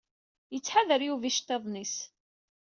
Yettḥadar Yuba iceṭṭiḍen-is.